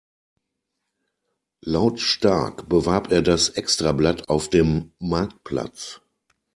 Lautstark bewarb er das Extrablatt auf dem Marktplatz.